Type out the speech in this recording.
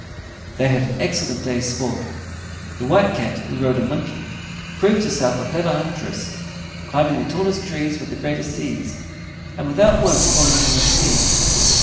They had an excellent day's sport. The White Cat, who rode a monkey, proved herself a clever huntress, climbing the tallest trees with the greatest ease, and without once falling from her steed.